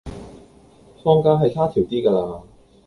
放假係他條 D 架啦